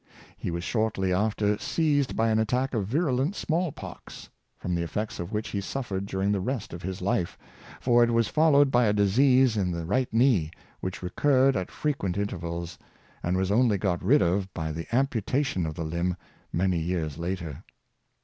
He was shortly after seized by an attack of virulent smallpox, from the effects of which he suffered during the rest of his life, for it was followed by a disease in 1 he Learns the Pottery Trade, 205 right knee, which recurred at frequent intervals, and was only got rid of by the amputation of the limb many years later.